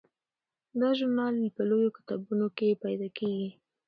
دا ژورنال په لویو کتابتونونو کې پیدا کیږي.